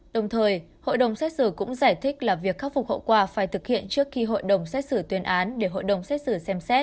đồng thời hội đồng xét xử cũng giải thích là việc khắc phục hậu quả phải thực hiện trước khi hội đồng xét xử tuyên án để hội đồng xét xử xem xét